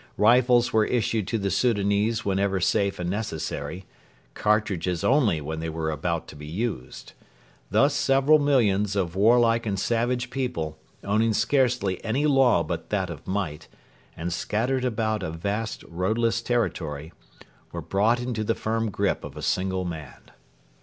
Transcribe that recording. Rifles were issued to the Soudanese whenever safe and necessary; cartridges only when they were about to be used. Thus several millions of warlike and savage people, owning scarcely any law but that of might, and scattered about a vast roadless territory, were brought into the firm grip of a single man.